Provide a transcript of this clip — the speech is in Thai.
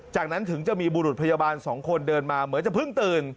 จากนั้นถึงจะมีบุรุษพยาบาล๒คนเดินมาเหมือนจะเพิ่งตื่น